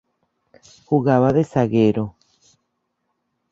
Jugaba de Zaguero.